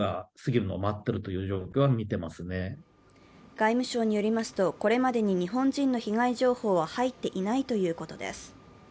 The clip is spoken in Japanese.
外務省によりますと、これまでに日本人の被害情報は入っていないということです。